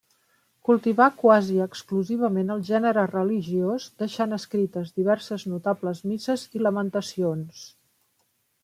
Cultivà quasi exclusivament el gènere religiós, deixant escrites diverses notables misses i lamentacions.